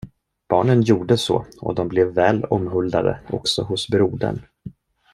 Barnen gjorde så och de blev väl omhuldade också hos brodern.